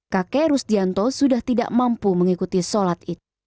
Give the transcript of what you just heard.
kakek rustianto sudah tidak mampu mengikuti sholat itu